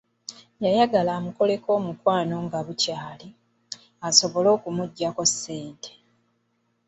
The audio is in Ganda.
Yayagala amukoleko omukwano nga bukyali, asobole okumuggyako ssente.